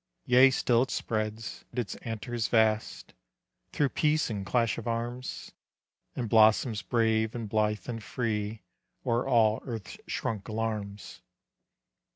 Yea, still it spreads its antres vast, Through peace and clash of arms, And blossoms brave and blithe and free, O'er all earth's shrunk alarms.